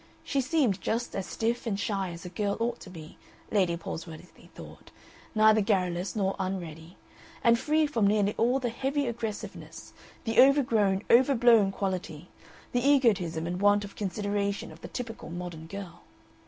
She seemed just as stiff and shy as a girl ought to be, Lady Palsworthy thought, neither garrulous nor unready, and free from nearly all the heavy aggressiveness, the overgrown, overblown quality, the egotism and want of consideration of the typical modern girl.